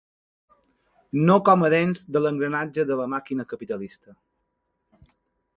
...no com a dents de l'engranatge de la màquina capitalista.